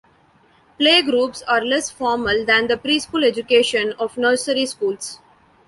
Playgroups are less formal than the pre-school education of nursery schools.